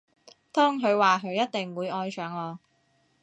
當佢話佢一定會愛上我